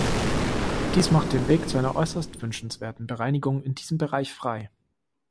Dies macht den Weg zu einer äußerst wünschenswerten Bereinigung in diesem Bereich frei.